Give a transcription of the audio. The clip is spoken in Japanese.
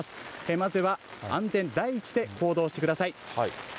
まずは安全第一で行動してください。